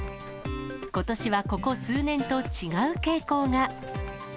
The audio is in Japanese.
ことしはここ数年と違う傾向が。